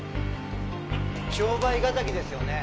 商売敵ですよね。